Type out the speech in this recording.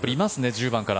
１０番から。